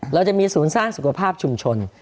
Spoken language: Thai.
เราจะมีศูนย์สร้างสุขภาพชุมชน